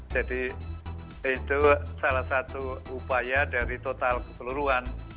jadi itu salah satu upaya dari total keseluruhan